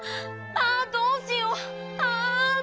あどうしよう！